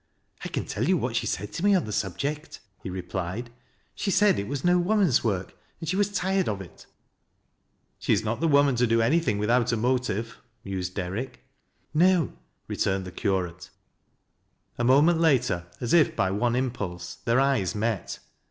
I can tell you what she said to me on the aubject," h« 222 THAT LASS Q LO WRISa. replied. " Slie said it was no woman's work^ and she wai tired of it." " She is not the woman to do anything withciut a irotive," mused Denick. "No," returned the curate. A mament later, as if by one impulse, their eyes met.